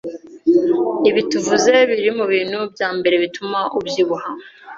Ibi tuvuze biri mu bintu bya mbere bituma ubyibuha